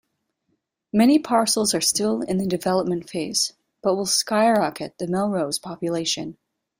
Many parcels are still in the development phase, but will skyrocket the Melrose population.